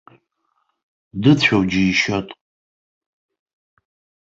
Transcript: Дыцәоу џьишьоит.